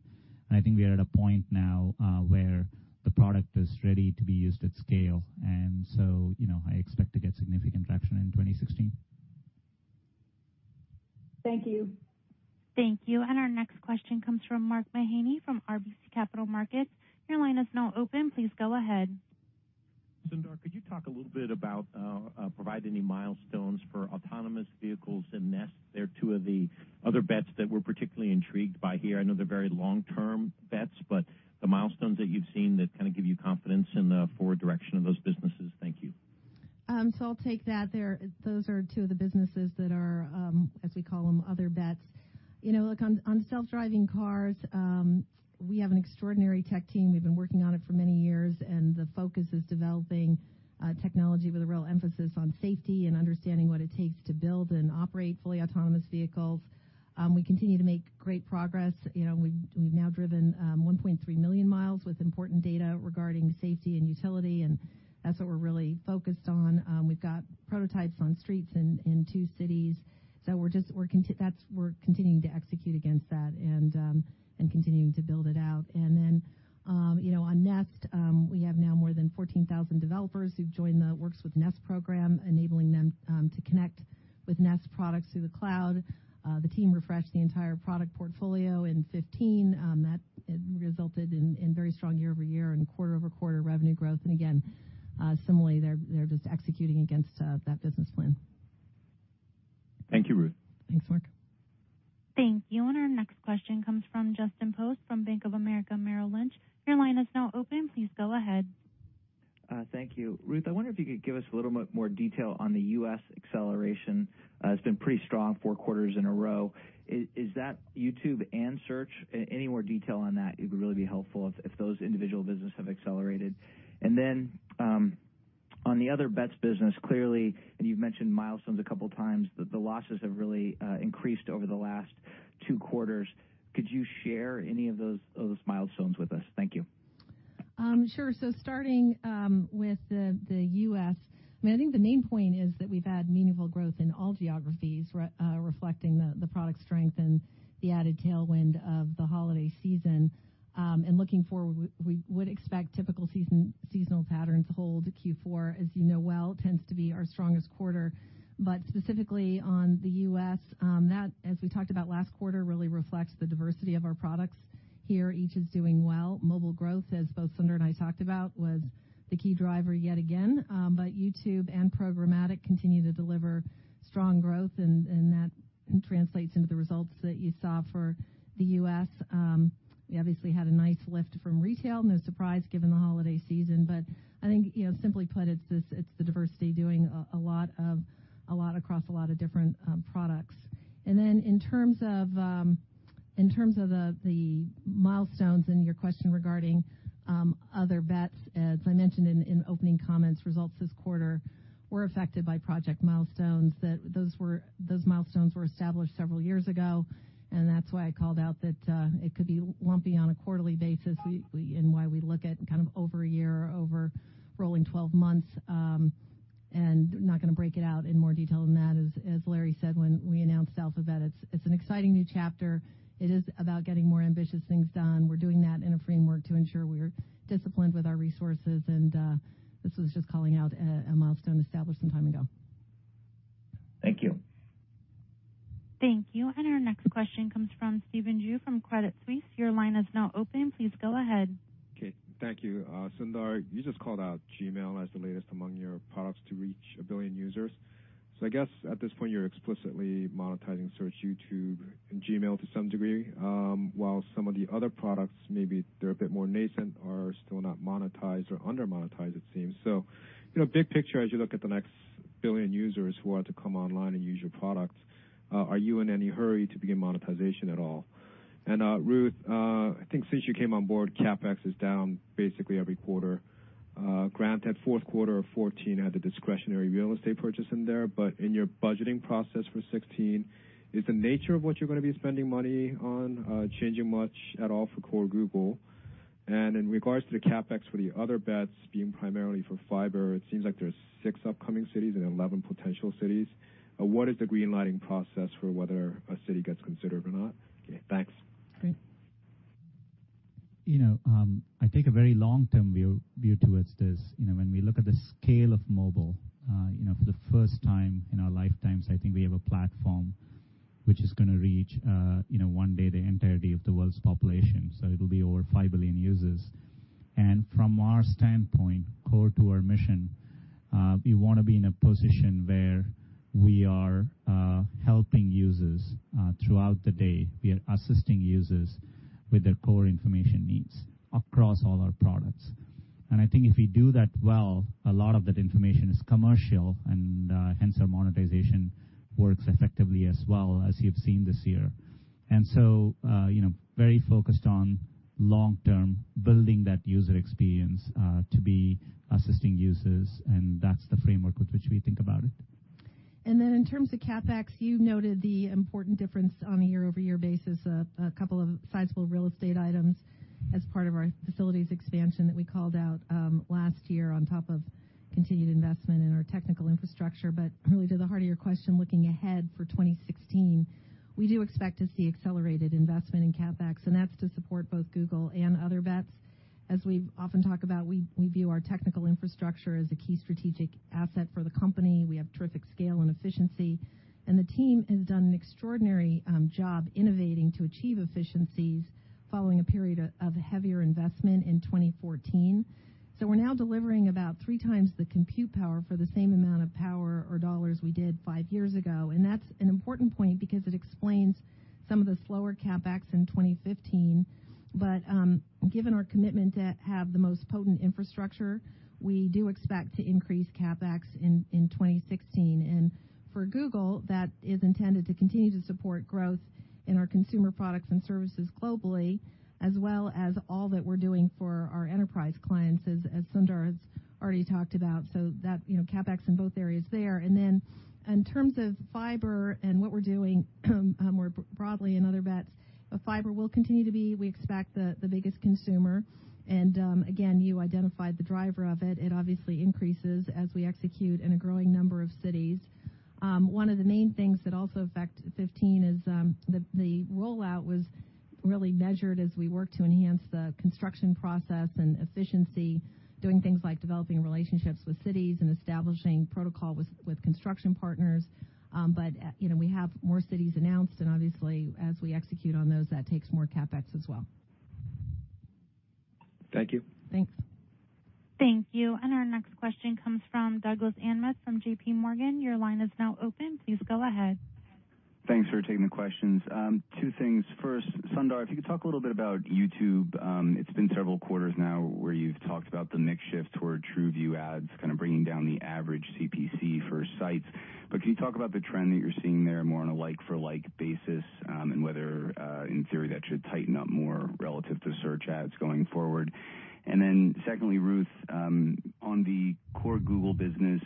And I think we are at a point now where the product is ready to be used at scale. And so I expect to get significant traction in 2016. Thank you. Thank you. And our next question comes from Mark Mahaney from RBC Capital Markets. Your line is now open. Please go ahead. Sundar, could you talk a little bit about providing any milestones for autonomous vehicles and Nest? They're two of the Other Bets that we're particularly intrigued by here. I know they're very long-term bets, but the milestones that you've seen that kind of give you confidence in the forward direction of those businesses? Thank you. So I'll take that. Those are two of the businesses that are, as we call them, Other Bets. Look, on self-driving cars, we have an extraordinary tech team. We've been working on it for many years, and the focus is developing technology with a real emphasis on safety and understanding what it takes to build and operate fully autonomous vehicles. We continue to make great progress. We've now driven 1.3 million miles with important data regarding safety and utility, and that's what we're really focused on. We've got prototypes on streets in two cities. So we're continuing to execute against that and continuing to build it out. And then on Nest, we have now more than 14,000 developers who've joined the Works with Nest program, enabling them to connect with Nest products through the cloud. The team refreshed the entire product portfolio in 2015. That resulted in very strong year-over-year and quarter-over-quarter revenue growth. And again, similarly, they're just executing against that business plan. Thank you, Ruth. Thanks, Mark. Thank you. And our next question comes from Justin Post from Bank of America Merrill Lynch. Your line is now open. Please go ahead. Thank you. Ruth, I wonder if you could give us a little more detail on the U.S. acceleration. It's been pretty strong four quarters in a row. Is that YouTube and search? Any more detail on that? It would really be helpful if those individual businesses have accelerated. And then on the Other Bets business, clearly, and you've mentioned milestones a couple of times, the losses have really increased over the last two quarters. Could you share any of those milestones with us? Thank you. Sure, so starting with the U.S., I mean, I think the main point is that we've had meaningful growth in all geographies, reflecting the product strength and the added tailwind of the holiday season, and looking forward, we would expect typical seasonal patterns to hold. Q4, as you know well, tends to be our strongest quarter, but specifically on the U.S., that, as we talked about last quarter, really reflects the diversity of our products here. Each is doing well. Mobile growth, as both Sundar and I talked about, was the key driver yet again. But YouTube and Programmatic continue to deliver strong growth, and that translates into the results that you saw for the U.S. We obviously had a nice lift from retail. No surprise given the holiday season. But I think, simply put, it's the diversity doing a lot across a lot of different products. And then in terms of the milestones and your question regarding Other Bets, as I mentioned in opening comments, results this quarter were affected by project milestones. Those milestones were established several years ago, and that's why I called out that it could be lumpy on a quarterly basis in why we look at kind of over a year or over rolling 12 months. And I'm not going to break it out in more detail than that. As Larry said when we announced Alphabet, it's an exciting new chapter. It is about getting more ambitious things done. We're doing that in a framework to ensure we're disciplined with our resources. And this was just calling out a milestone established some time ago. Thank you. Thank you. And our next question comes from Stephen Ju from Credit Suisse. Your line is now open. Please go ahead. Okay. Thank you. Sundar, you just called out Gmail as the latest among your products to reach a billion users. So I guess at this point, you're explicitly monetizing search, YouTube, and Gmail to some degree, while some of the other products, maybe they're a bit more nascent, are still not monetized or under-monetized, it seems. So big picture, as you look at the next billion users who are to come online and use your products, are you in any hurry to begin monetization at all? And Ruth, I think since you came on board, CapEx is down basically every quarter. Granted fourth quarter of 2014 had the discretionary real estate purchase in there. But in your budgeting process for 2016, is the nature of what you're going to be spending money on changing much at all for core Google? And in regards to the CapEx for the Other Bets being primarily for Fiber, it seems like there's six upcoming cities and 11 potential cities. What is the greenlighting process for whether a city gets considered or not? Okay. Thanks. Great. I take a very long-term view towards this. When we look at the scale of mobile, for the first time in our lifetimes, I think we have a platform which is going to reach one day the entirety of the world's population. So it'll be over five billion users. From our standpoint, core to our mission, we want to be in a position where we are helping users throughout the day. We are assisting users with their core information needs across all our products. I think if we do that well, a lot of that information is commercial, and hence our monetization works effectively as well, as you've seen this year. Very focused on long-term building that user experience to be assisting users, and that's the framework with which we think about it. In terms of CapEx, you noted the important difference on a year-over-year basis, a couple of sizable real estate items as part of our facilities expansion that we called out last year on top of continued investment in our technical infrastructure. But really, to the heart of your question, looking ahead for 2016, we do expect to see accelerated investment in CapEx, and that's to support both Google and Other Bets. As we often talk about, we view our technical infrastructure as a key strategic asset for the company. We have terrific scale and efficiency, and the team has done an extraordinary job innovating to achieve efficiencies following a period of heavier investment in 2014. So we're now delivering about three times the compute power for the same amount of power or dollars we did five years ago. And that's an important point because it explains some of the slower CapEx in 2015. But given our commitment to have the most potent infrastructure, we do expect to increase CapEx in 2016. For Google, that is intended to continue to support growth in our consumer products and services globally, as well as all that we're doing for our enterprise clients, as Sundar has already talked about. CapEx in both areas there. Then in terms of Fiber and what we're doing more broadly in Other Bets, Fiber will continue to be, we expect, the biggest consumer. And again, you identified the driver of it. It obviously increases as we execute in a growing number of cities. One of the main things that also affect 2015 is the rollout was really measured as we worked to enhance the construction process and efficiency, doing things like developing relationships with cities and establishing protocol with construction partners. We have more cities announced, and obviously, as we execute on those, that takes more CapEx as well. Thank you. Thanks. Thank you. And our next question comes from Douglas Anmuth from JPMorgan Chase & Co. Your line is now open. Please go ahead. Thanks for taking the questions. Two things. First, Sundar, if you could talk a little bit about YouTube. It's been several quarters now where you've talked about the TrueView ads, kind of bringing down the average CPC for Sites. But can you talk about the trend that you're seeing there more on a like-for-like basis and whether, in theory, that should tighten up more relative to search ads going forward? And then secondly, Ruth, on the core Google business,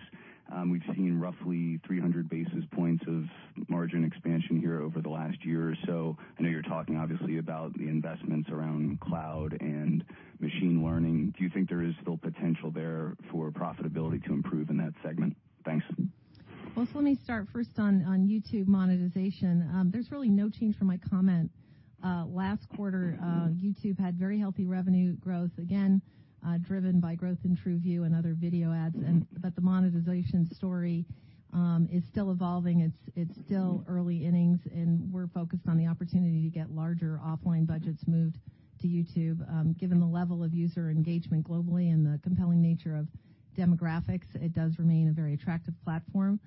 we've seen roughly 300 basis points of margin expansion here over the last year or so. I know you're talking, obviously, about the investments around cloud and machine learning. Do you think there is still potential there for profitability to improve in that segment? Thanks. Let me start first on YouTube monetization. There's really no change from my comment last quarter. YouTube had very healthy revenue growth, again, driven by growth in TrueView and other video ads. But the monetization story is still evolving. It's still early innings, and we're focused on the opportunity to get larger offline budgets moved to YouTube. Given the level of user engagement globally and the compelling nature of demographics, it does remain a very attractive platform.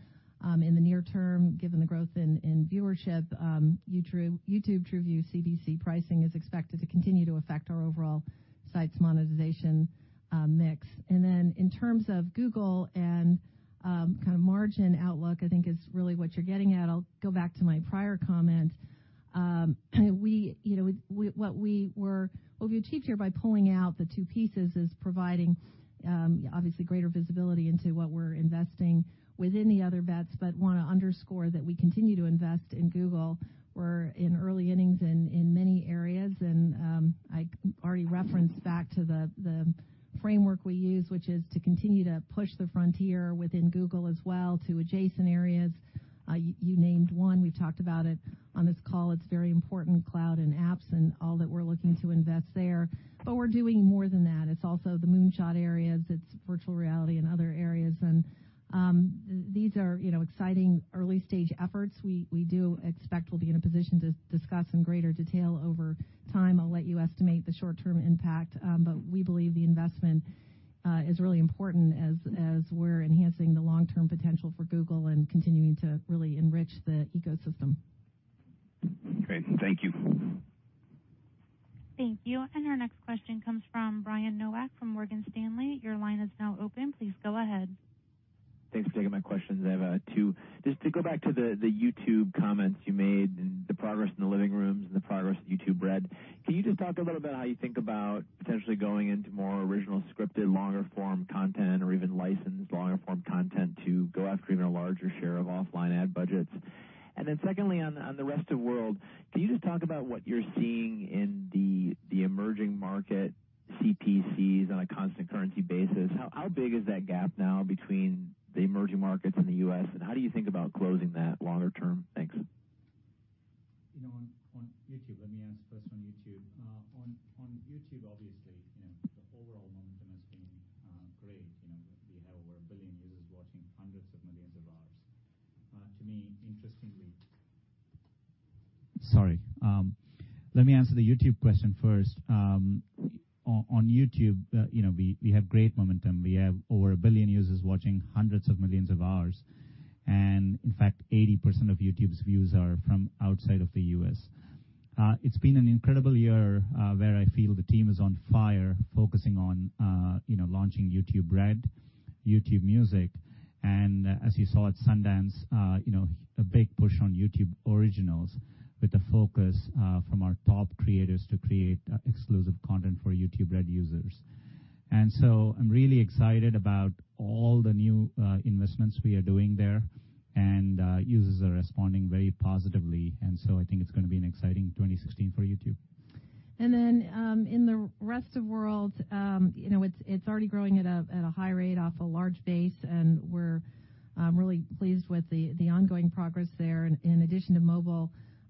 In the near term, given the growth in viewership, YouTube TrueView CPC pricing is expected to continue to affect our overall Sites monetization mix, and then in terms of Google and kind of margin outlook, I think is really what you're getting at. I'll go back to my prior comment. What we've achieved here by pulling out the two pieces is providing, obviously, greater visibility into what we're investing within the Other Bets. But I want to underscore that we continue to invest in Google. We're in early innings in many areas. And I already referenced back to the framework we use, which is to continue to push the frontier within Google as well to adjacent areas. You named one. We've talked about it on this call. It's very important, cloud and apps and all that we're looking to invest there. But we're doing more than that. It's also the moonshot areas. It's virtual reality and other areas. And these are exciting early-stage efforts. We do expect we'll be in a position to discuss in greater detail over time. I'll let you estimate the short-term impact. But we believe the investment is really important as we're enhancing the long-term potential for Google and continuing to really enrich the ecosystem. Great. Thank you. Thank you. And our next question comes from Brian Nowak from Morgan Stanley. Your line is now open. Please go ahead. Thanks for taking my questions. I have two. Just to go back to the YouTube comments you made and the progress in the living rooms and the progress that YouTube's breadth, can you just talk a little bit about how you think about potentially going into more original scripted, longer-form content or even licensed longer-form content to go after even a larger share of offline ad budgets? And then secondly, on the rest of the world, can you just talk about what you're seeing in the emerging market CPCs on a constant currency basis? How big is that gap now between the emerging markets and the U.S.? And how do you think about closing that longer term? Thanks. On YouTube, let me answer first on YouTube. On YouTube, obviously, the overall momentum has been great. We have over a billion users watching hundreds of millions of hours. To me, interestingly, sorry. Let me answer the YouTube question first. On YouTube, we have great momentum. We have over a billion users watching hundreds of millions of hours. And in fact, 80% of YouTube's views are from outside of the U.S. It's been an incredible year where I feel the team is on fire, focusing on launching YouTube Red, YouTube Music. And as you saw at Sundance, a big push on YouTube Originals with a focus from our top creators to create exclusive content for YouTube Red users. I'm really excited about all the new investments we are doing there. Users are responding very positively. I think it's going to be an exciting 2016 for YouTube. In the rest of the world, it's already growing at a high rate off a large base. We're really pleased with the ongoing progress there. In addition to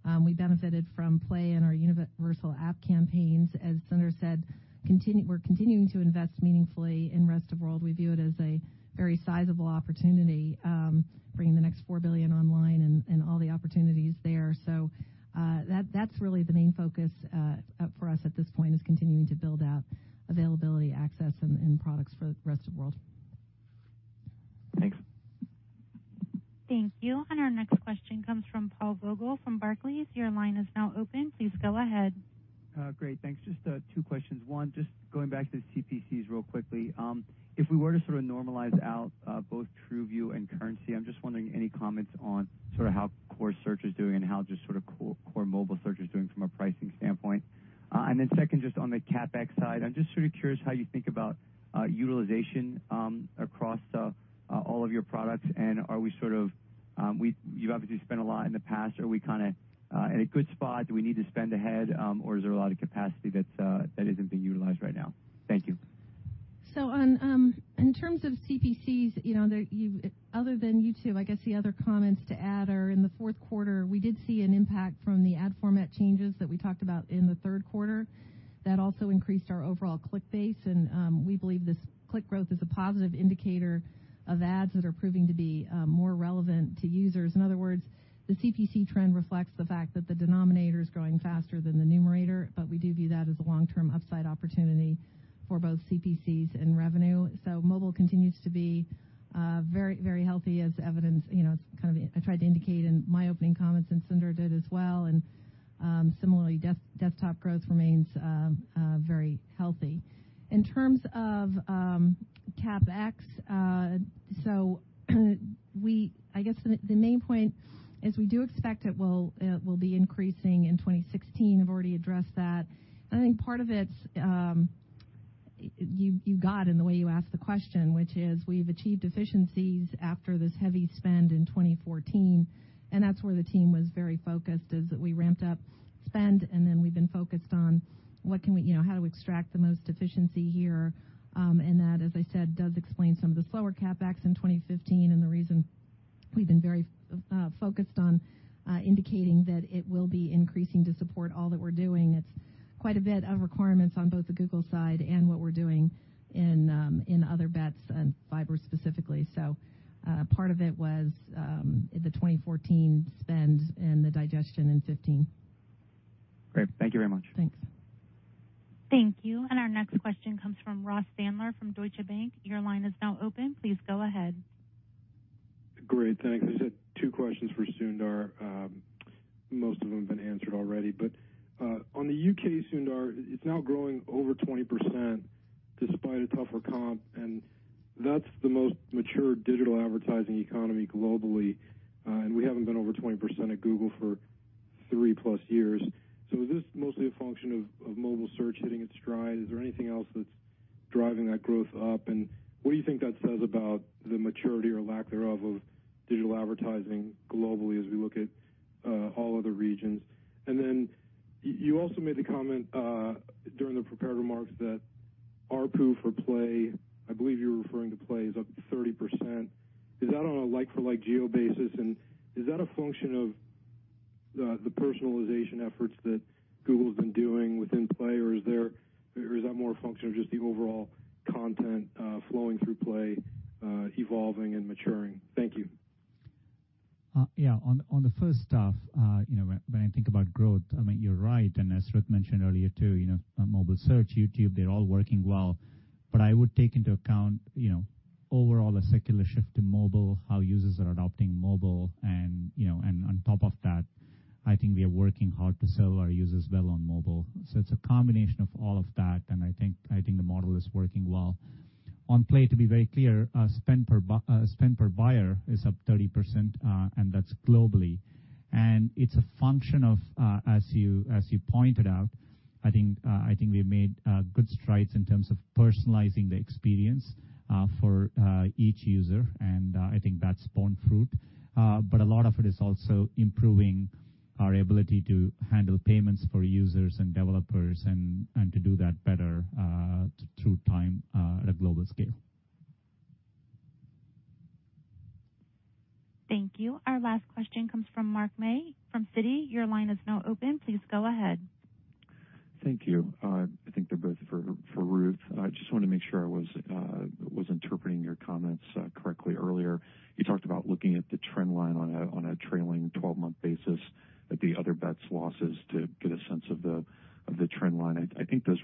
mobile, we benefited from Play in our Universal App Campaigns. As Sundar said, we're continuing to invest meaningfully in the rest of the world. We view it as a very sizable opportunity, bringing the next 4 billion online and all the opportunities there. That's really the main focus for us at this point, is continuing to build out availability, access, and products for the rest of the world. Thanks. Thank you. Our next question comes from Paul Vogel from Barclays. Your line is now open. Please go ahead. Great. Thanks. Just two questions. One, just going back to the CPCs real quickly. If we were to sort of normalize out both TrueView and currency, I'm just wondering any comments on sort of how core search is doing and how just sort of core mobile search is doing from a pricing standpoint. And then second, just on the CapEx side, I'm just sort of curious how you think about utilization across all of your products. And are we sort of—you've obviously spent a lot in the past. Are we kind of in a good spot? Do we need to spend ahead? Or is there a lot of capacity that isn't being utilized right now? Thank you. In terms of CPCs, other than YouTube, I guess the other comments to add are in the fourth quarter, we did see an impact from the ad format changes that we talked about in the third quarter. That also increased our overall click base. And we believe this click growth is a positive indicator of ads that are proving to be more relevant to users. In other words, the CPC trend reflects the fact that the denominator is growing faster than the numerator. But we do view that as a long-term upside opportunity for both CPCs and revenue. So mobile continues to be very, very healthy, as evidenced. I tried to indicate in my opening comments, and Sundar did as well. And similarly, desktop growth remains very healthy. In terms of CapEx, so I guess the main point is we do expect it will be increasing in 2016. I've already addressed that. And I think part of it you got in the way you asked the question, which is we've achieved efficiencies after this heavy spend in 2014. And that's where the team was very focused, is that we ramped up spend. And then we've been focused on how do we extract the most efficiency here. And that, as I said, does explain some of the slower CapEx in 2015 and the reason we've been very focused on indicating that it will be increasing to support all that we're doing. It's quite a bit of requirements on both the Google side and what we're doing in Other Bets and Fiber specifically. So part of it was the 2014 spend and the digestion in 2015. Great. Thank you very much. Thanks. Thank you. And our next question comes from Ross Sandler from Deutsche Bank. Your line is now open. Please go ahead. Great. Thanks. I just had two questions for Sundar. Most of them have been answered already. But on the U.K., Sundar, it's now growing over 20% despite a tougher comp. And that's the most mature digital advertising economy globally. And we haven't been over 20% at Google for three plus years. So is this mostly a function of mobile search hitting its stride? Is there anything else that's driving that growth up? And what do you think that says about the maturity or lack thereof of digital advertising globally as we look at all other regions? And then you also made the comment during the prepared remarks that our ARPU for Play, I believe you're referring to Play, is up 30%. Is that on a like-for-like geo basis? And is that a function of the personalization efforts that Google's been doing within Play? Or is that more a function of just the overall content flowing through Play, evolving, and maturing? Thank you. Yeah. On the first stuff, when I think about growth, I mean, you're right. And as Ruth mentioned earlier too, mobile search, YouTube, they're all working well. But I would take into account overall a secular shift to mobile, how users are adopting mobile. And on top of that, I think we are working hard to serve our users well on mobile. So it's a combination of all of that. And I think the model is working well. On Play, to be very clear, spend per buyer is up 30%. And that's globally. And it's a function of, as you pointed out, I think we made good strides in terms of personalizing the experience for each user. And I think that's borne fruit. But a lot of it is also improving our ability to handle payments for users and developers and to do that better through time at a global scale. Thank you. Our last question comes from Mark May from Citi. Your line is now open. Please go ahead. Thank you. I think they're both for Ruth. I just wanted to make sure I was interpreting your comments correctly earlier. You talked about looking at the trend line on a trailing 12-month basis at the Other Bets losses to get a sense of the trend line. I think the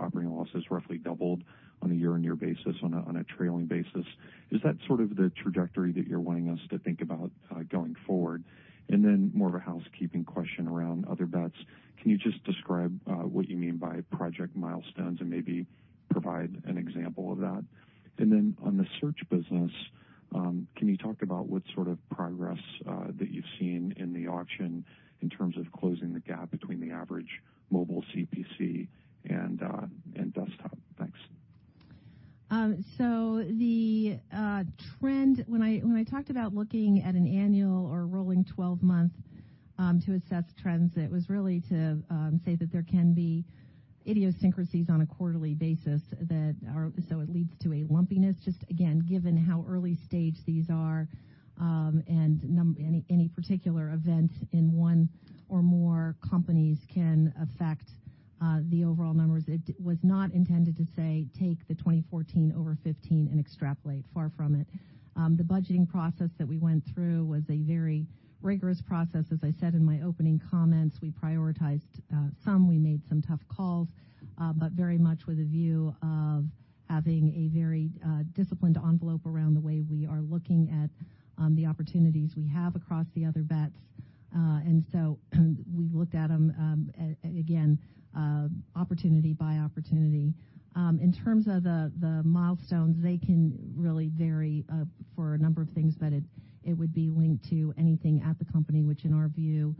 operating loss has roughly doubled on a year-on-year basis, on a trailing basis. Is that sort of the trajectory that you're wanting us to think about going forward? And then more of a housekeeping question around Other Bets. Can you just describe what you mean by project milestones and maybe provide an example of that? And then on the search business, can you talk about what sort of progress that you've seen in the auction in terms of closing the gap between the average mobile CPC and desktop? Thanks. So the trend, when I talked about looking at an annual or rolling 12-month to assess trends, it was really to say that there can be idiosyncrasies on a quarterly basis that are, so it leads to a lumpiness, just again, given how early stage these are. And any particular event in one or more companies can affect the overall numbers. It was not intended to say, "Take the 2014 over 2015 and extrapolate." Far from it. The budgeting process that we went through was a very rigorous process. As I said in my opening comments, we prioritized some. We made some tough calls, but very much with a view of having a very disciplined envelope around the way we are looking at the opportunities we have across the Other Bets. And so we looked at them, again, opportunity by opportunity. In terms of the milestones, they can really vary for a number of things. But it would be linked to anything at the company, which in our view,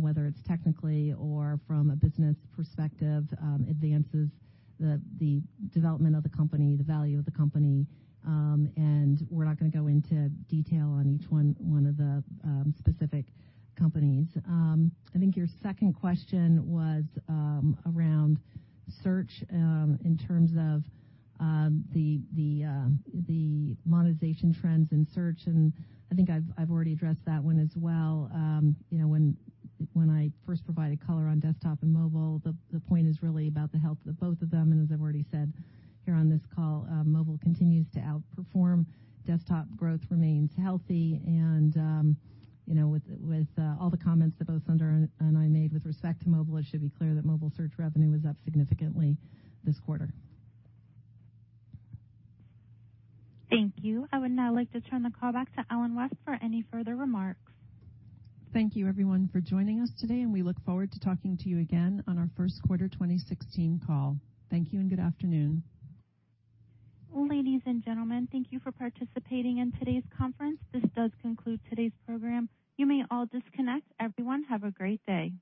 whether it's technically or from a business perspective, advances the development of the company, the value of the company. And we're not going to go into detail on each one of the specific companies. I think your second question was around search in terms of the monetization trends in search. And I think I've already addressed that one as well. When I first provided color on desktop and mobile, the point is really about the health of both of them. As I've already said here on this call, mobile continues to outperform. Desktop growth remains healthy. With all the comments that both Sundar and I made with respect to mobile, it should be clear that mobile search revenue was up significantly this quarter. Thank you. I would now like to turn the call back to Ellen West for any further remarks. Thank you, everyone, for joining us today. We look forward to talking to you again on our first quarter 2016 call. Thank you and good afternoon. Ladies and gentlemen, thank you for participating in today's conference. This does conclude today's program. You may all disconnect. Everyone, have a great day.